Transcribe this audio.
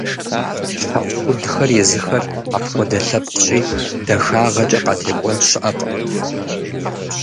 ТхьэӀухудхэр езыхэр апхуэдэ лъэпкъщи, дахагъэкӀэ къатекӀуэн щыӀэкъым.